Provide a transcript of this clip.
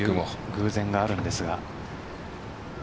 偶然があるんですが。